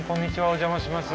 お邪魔します。